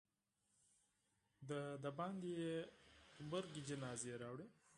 له بهره یې غبرګې جنازې راوړې.